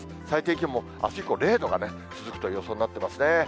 最低気温もあす以降０度が続くという予想になってますね。